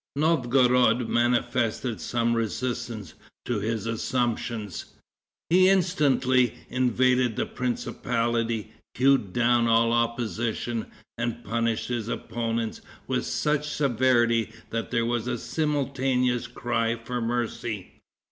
Novgorod manifested some resistance to his assumptions. He instantly invaded the principality, hewed down all opposition, and punished his opponents with such severity that there was a simultaneous cry for mercy.